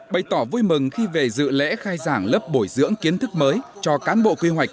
bày tỏ vui mừng khi về dự lễ khai giảng lớp bồi dưỡng kiến thức mới cho cán bộ quy hoạch